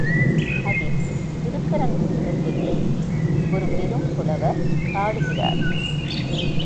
அதில் திருப்பரங்குன்றத்தைப் பற்றி ஒரு பெரும் புலவர் பாடுகிறார்.